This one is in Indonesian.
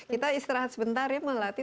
kita istirahat sebentar ya melatih